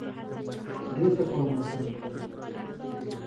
دې ته پام وکړه